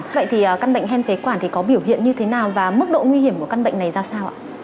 vậy thì căn bệnh hen phế quản thì có biểu hiện như thế nào và mức độ nguy hiểm của căn bệnh này ra sao ạ